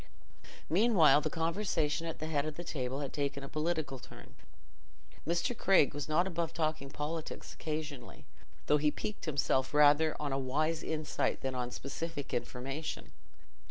Meanwhile the conversation at the head of the table had taken a political turn. Mr. Craig was not above talking politics occasionally, though he piqued himself rather on a wise insight than on specific information.